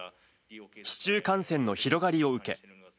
市中感染の広がりを受け。